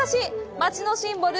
街のシンボル